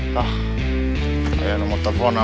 hah kayak nomor telepon lah